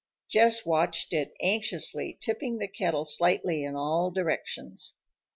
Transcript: Jess watched it anxiously, tipping the kettle slightly in all directions.